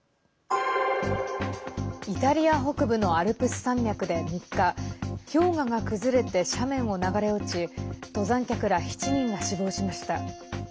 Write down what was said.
イタリア北部のアルプス山脈で３日氷河が崩れて斜面を流れ落ち登山客ら７人が死亡しました。